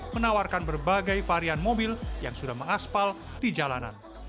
menawarkan berbagai varian mobil yang sudah mengaspal di jalanan